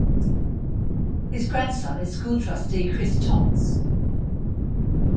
His grandson is school trustee Chris Tonks.